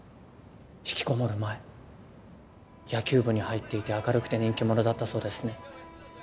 引きこもる前野球部に入っていて明るくて人気者だったそうですね。